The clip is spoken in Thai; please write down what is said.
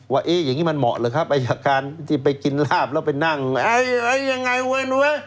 อย่างนี้มันเหมาะหรือครับอายการที่ไปกินลาบแล้วไปนั่งยังไงเว้ยนะเว้ย